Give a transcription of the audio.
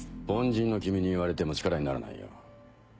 凡人の君に言われても力にならないよ。